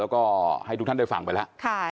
แล้วก็ให้ทุกท่านได้ฟังไปแล้ว